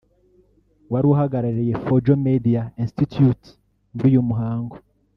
wari uhagarariye Fojo Media Institute muri uyu muhango